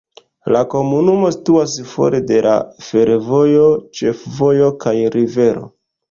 La komunumo situas for de la fervojo, ĉefvojo kaj rivero.